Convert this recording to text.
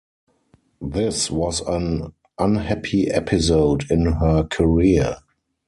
This was an unhappy episode in her career.